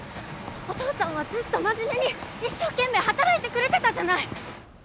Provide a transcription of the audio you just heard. お父さんはずーっと真面目に一生懸命働いてくれてたじゃない